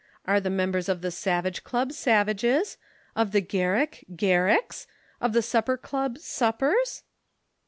Are the members of the Savage Club savages, of the Garrick Garricks, of the Supper Club suppers?"